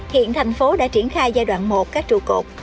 hiện tp hcm đã triển khai giai đoạn một các trụ cột